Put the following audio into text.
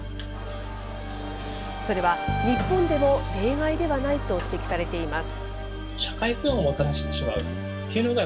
それは、日本でも例外ではないと指摘されています。